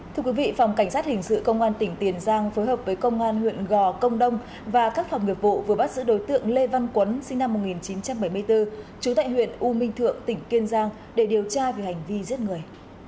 thưa quý vị phòng cảnh sát hình sự công an tỉnh tiền giang phối hợp với công an huyện gò công đông và các phòng nghiệp vụ vừa bắt giữ đối tượng lê văn quấn sinh năm một nghìn chín trăm bảy mươi bốn trú tại huyện u minh thượng tỉnh kiên giang để điều tra về hành vi giết người